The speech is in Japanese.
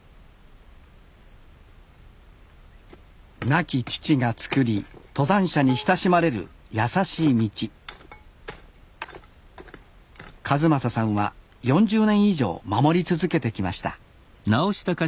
亡き父が作り登山者に親しまれるやさしい道一正さんは４０年以上守り続けてきました